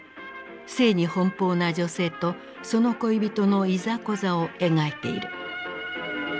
性に奔放な女性とその恋人のいざこざを描いている。